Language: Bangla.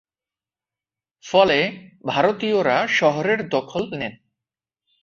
ফলে ভারতীয়রা শহরের দখল নেন।